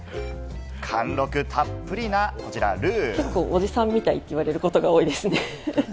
貫禄たっぷりなこちら、ルー。